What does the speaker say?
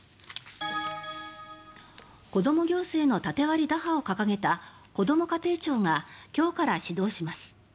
子ども行政の縦割り打破を掲げたこども家庭庁が今日から始動します。